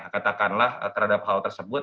katakanlah terhadap hal tersebut